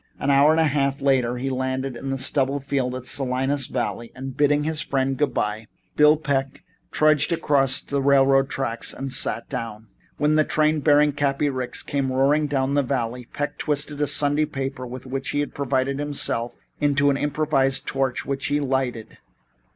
An hour and a half later they landed in a stubble field in the Salinas Valley and, bidding his friend good bye, Bill Peck trudged across to the railroad track and sat down. When the train bearing Cappy Ricks came roaring down the valley, Peck twisted a Sunday paper with which he had provided himself, into an improvised torch, which he lighted.